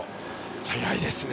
速いですね。